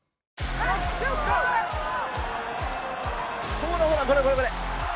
ほらほらこれこれこれ。